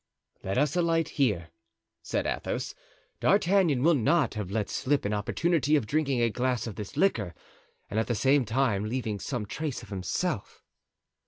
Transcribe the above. "Let us alight here," said Athos. "D'Artagnan will not have let slip an opportunity of drinking a glass of this liqueur, and at the same time leaving some trace of himself."